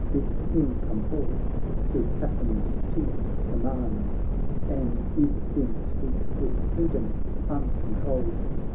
Bid him come forth, 'tis Athens' Chief commands. And bid him speak with freedom uncon trolled.